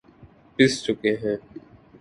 پس چکے ہیں